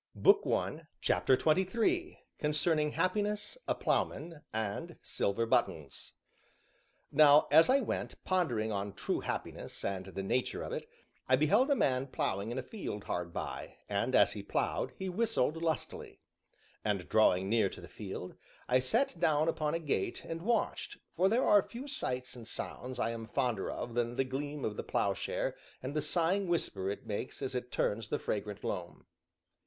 CHAPTER XXIII CONCERNING HAPPINESS, A PLOUGHMAN, AND SILVER BUTTONS Now as I went, pondering on true happiness, and the nature of it, I beheld a man ploughing in a field hard by, and, as he ploughed, he whistled lustily. And drawing near to the field, I sat down upon a gate and watched, for there are few sights and sounds I am fonder of than the gleam of the ploughshare and the sighing whisper it makes as it turns the fragrant loam.